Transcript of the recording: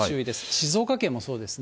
静岡県もそうですね。